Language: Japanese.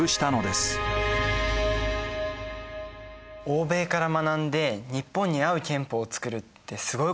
欧米から学んで日本に合う憲法を作るってすごいことだよね。